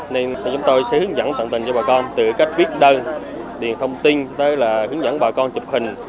nên chúng tôi sẽ hướng dẫn tận tình cho bà con từ cách viết đơn điền thông tin tới là hướng dẫn bà con chụp hình